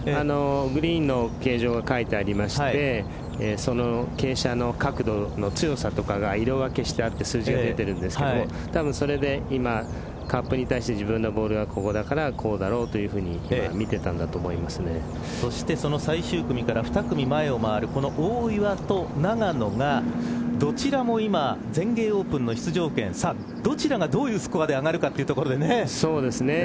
グリーンの形状が書いてありましてその傾斜の角度の強さとかが色分けしてあって数字が出てるんですけど多分それで今カップに対して自分のボールがここだからこうだろうというふうに見ていたんだとそしてその最終組から２組前を回る大岩と永野がどちらも今全英オープンの出場権どちらがどういうスコアで上がるかというところでね